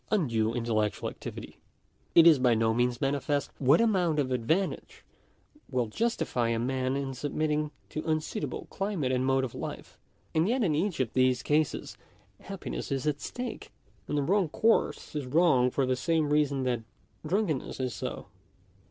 83 undue intellectual activity ; it is by no means manifest what amount of advantage will justify a man in submitting to un suitable climate and mode of life ; and yet in each of these cases happiness is at stake, and the wrong course is wrong for the same reason that drunkenness is so.